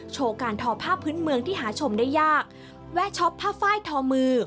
โชว์การทอผ้าพื้นเมืองที่หาชมได้ยากแวะช็อปผ้าไฟล์ทอมือ